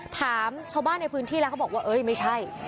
ถามชาวบ้านในพื้นที่แล้วเขาบอกว่าเอ้ยไม่ใช่